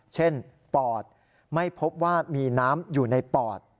ปอดไม่พบว่ามีน้ำอยู่ในปอด